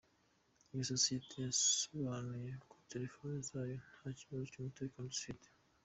Iyi sosiyete yasobanuye ko telefoni zayo nta kibazo cy’umutekano zifite.